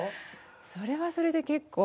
それはそれで結構。